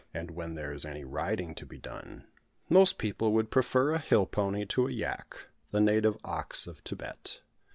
And when there is any riding to be done, most people would prefer a hill pony to a yak, the native ox of Thibet.